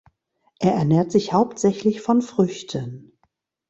Er ernährt sich hauptsächlich von Früchten.